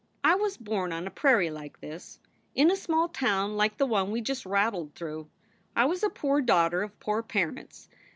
I was born on a prairie like this in a small town like the one we just rattled through. I was a poor daughter of poor parents.